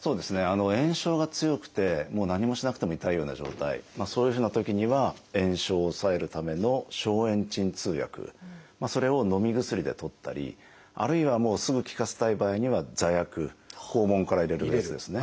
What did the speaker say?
炎症が強くてもう何もしなくても痛いような状態そういうふうなときには炎症を抑えるための消炎鎮痛薬それをのみ薬でとったりあるいはもうすぐ効かせたい場合には座薬肛門から入れるやつですね。